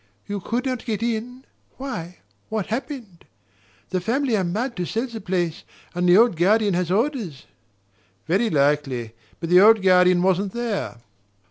"You couldn't get in? Why, what happened? The family are mad to sell the place, and the old guardian has orders " "Very likely. But the old guardian wasn't there."